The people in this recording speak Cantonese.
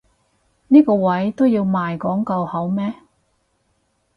呢個位都要賣廣告好咩？